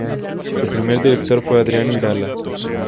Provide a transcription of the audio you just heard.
Su primer director fue Adriano Irala.